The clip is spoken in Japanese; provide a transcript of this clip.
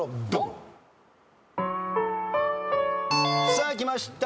さあきました。